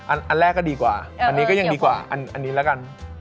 อันแรกก็ดีกว่าอันนี้ก็ยังดีกว่าอันนี้แล้วกัน